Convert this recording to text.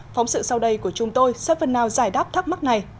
phóng sự sau đây của chúng tôi sẽ phần nào giải đáp thắc mắc này